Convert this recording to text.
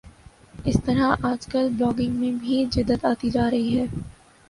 اسی طرح آج کل بلاگنگ میں بھی جدت آتی جا رہی ہے